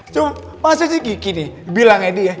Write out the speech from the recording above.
cuma pasnya si kiki nih bilang edi ya